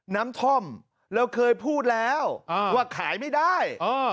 น้ำท่อมเราเคยพูดแล้วอ่าว่าขายไม่ได้อ๋อ